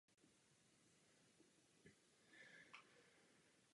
Evropský trh není dogma, ale proces.